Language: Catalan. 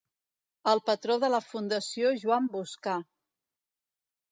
És patró de la Fundació Joan Boscà.